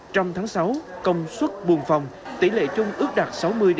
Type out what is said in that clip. trong tháng sáu công suất buôn phòng tỷ lệ chung ước đạt sáu mươi sáu mươi hai